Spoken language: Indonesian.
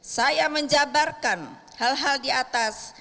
saya menjabarkan hal hal di atas